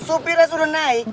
supirnya sudah naik